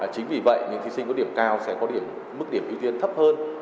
chính vì vậy những thí sinh có điểm cao sẽ có mức điểm ưu tiên thấp hơn